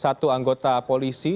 satu anggota polisi